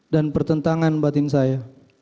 dan pertentangan batin saya